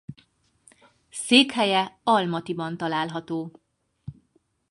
Székhelye Almatiban található.